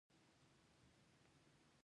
د ټایفایډ لپاره د څه شي اوبه وڅښم؟